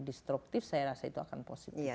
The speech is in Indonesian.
destruktif saya rasa itu akan positif